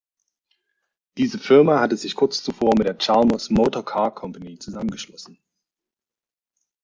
Diese Firma hatte sich kurz zuvor mit der "Chalmers Motor Car Company" zusammengeschlossen.